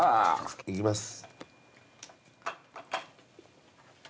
いきます。